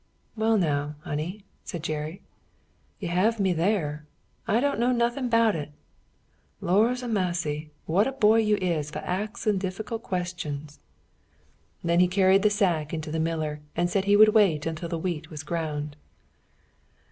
"Well now, honey," said Jerry, "you hev me thar. I don't know nuffin 'bout it. Lors a massy, what a boy you is fur axin dif'cult questions." Then he carried the sack in to the miller, and said he would wait until the wheat was ground.